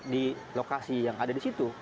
di lokasi yang ada di situ